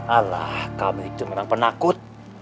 alah kami itu memang penakut